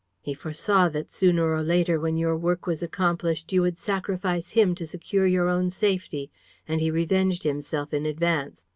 He foresaw that sooner or later, when your work was accomplished, you would sacrifice him to secure your own safety; and he revenged himself in advance.